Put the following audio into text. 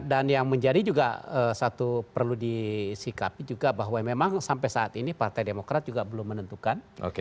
dan yang menjadi juga satu perlu disikapi juga bahwa memang sampai saat ini partai demokrat juga belum menentukan